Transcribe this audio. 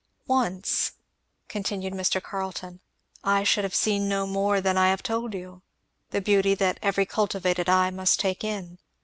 "Once," continued Mr, Carleton, "I should have seen no more than I have told you the beauty that every cultivated eye must take in.